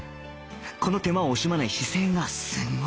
この手間を惜しまない姿勢がすごい